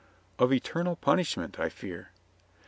"Of eternal punishment, I fear."